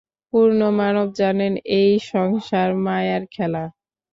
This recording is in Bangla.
পূর্ণ-মানব জানেন এই সংসার মায়ার খেলা।